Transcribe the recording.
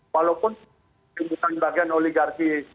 walaupun bukan bagian oligarki